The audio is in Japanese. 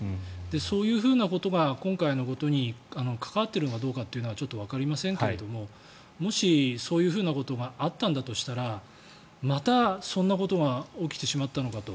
そういうことが今回のことに関わっているのかどうかってのはちょっとわかりませんがもし、そういうふうなことがあったんだとしたらまた、そんなことが起きてしまったのかと。